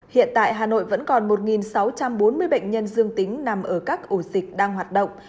hiện tại hà nội vẫn còn một sáu trăm bốn mươi bệnh nhân dương tính nằm ở các ổ dịch đang hoạt động